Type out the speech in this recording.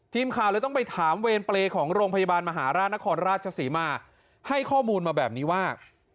ทีมข่าวเลยต้องไปถามเวรเปรย์ของโรงพยาบาลมหาราชนครราชศรีมาให้ข้อมูลมาแบบนี้ว่า